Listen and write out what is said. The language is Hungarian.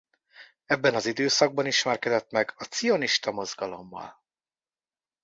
Ebben az időszakban ismerkedett meg a cionista mozgalommal.